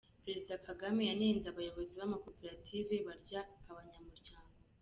Perezida Kagame yanenze abayobozi b’amakoperative barya abanyamuryango.